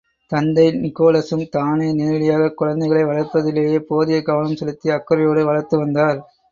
தந்தை நிகோலசும், தானே நேரிடையாகக் குழந்தைகளை வளர்ப்பதிலே போதிய கவனம் செலுத்தி, அக்கறையோடு வளர்த்துவந்தார்.